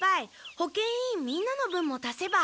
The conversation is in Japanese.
保健委員みんなの分も足せば。